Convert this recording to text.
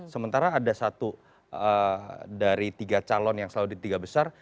sementara ada satu dari tiga calon yang selalu di tiga besar